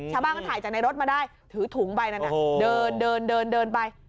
ชาวบ้านก็ถ่ายจากในรถมาได้ถือถุงไปนั่นเดินเดินไป